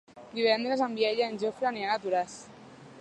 Divendres en Biel i en Jofre aniran a Toràs.